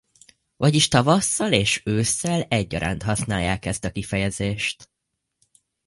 Vagyis tavasszal és ősszel egyaránt használják ezt a kifejezést.